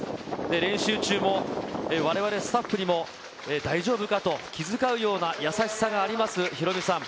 練習中もわれわれスタッフにも、大丈夫かと気遣うような優しさがありますヒロミさん。